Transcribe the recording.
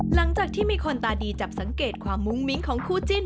หลังจากที่มีคนตาดีจับสังเกตความมุ้งมิ้งของคู่จิ้น